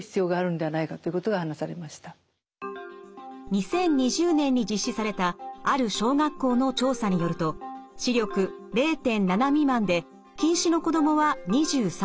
２０２０年に実施されたある小学校の調査によると視力０．７未満で近視の子どもは２３％でした。